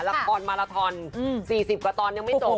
ละครมาลาทอน๔๐กว่าตอนยังไม่จบ